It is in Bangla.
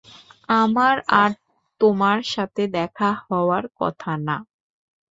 আমার আর তোমার সাথে দেখা হওয়ার কথা না।